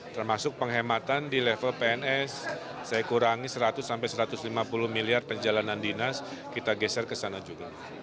termasuk penghematan di level pns saya kurangi seratus sampai satu ratus lima puluh miliar perjalanan dinas kita geser ke sana juga